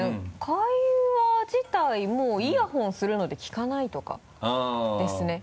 会話自体もうイヤホンするので聞かないとかですね。